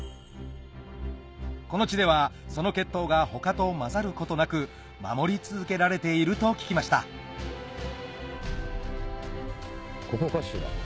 この地ではその血統が他と交ざることなく守り続けられていると聞きましたここかしら？